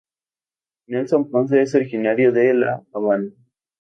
Nelson Ponce es originario de la Habana.